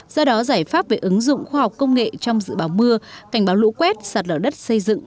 do đó giải pháp về ứng dụng khoa học công nghệ trong dự báo mưa cảnh báo lũ quét sạt lở đất xây dựng